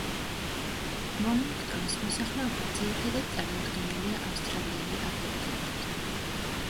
მორნინგტონის მოსახლეობა ძირითადად წარმოდგენილია ავსტრალიელი აბორიგენებით.